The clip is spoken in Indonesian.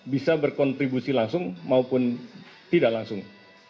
bisa berkontribusi langsung maupun tidak langsung